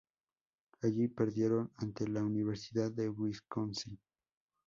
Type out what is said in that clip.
Allí perdieron ante la Universidad de Wisconsin.